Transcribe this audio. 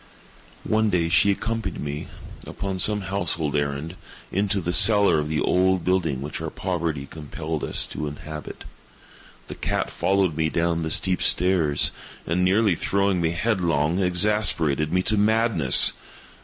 One day she accompanied me, upon some household errand, into the cellar of the old building which our poverty compelled us to inhabit. The cat followed me down the steep stairs, and, nearly throwing me headlong, exasperated me to madness.